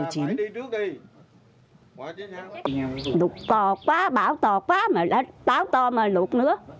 lụt to quá bão to quá bão to mà lụt nữa